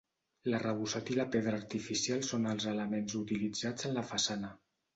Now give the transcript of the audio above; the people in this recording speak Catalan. L'arrebossat i la pedra artificial són els elements utilitzats en la façana.